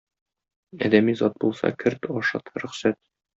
Адәми зат булса, керт, ашат, рөхсәт.